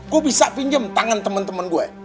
gua bisa pinjem tangan temen temen gua